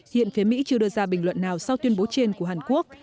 hiện phía mỹ chưa đưa ra bình luận nào sau tuyên bố trên của hàn quốc